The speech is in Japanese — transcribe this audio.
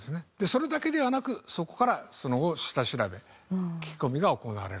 それだけではなくそこからその後下調べ聞き込みが行われると。